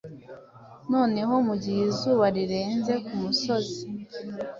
Noneho, mugihe izuba rirenze kumusozi,